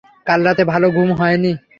কাল রাতে ভালো ঘুম হয়নি?